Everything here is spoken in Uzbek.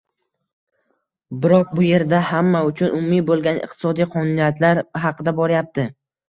biroq bu yerda gap hamma uchun umumiy bo‘lgan iqtisodiy qonuniyatlar haqida boryapti.